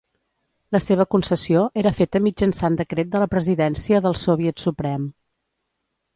La seva concessió era feta mitjançant decret de la Presidència del Soviet Suprem.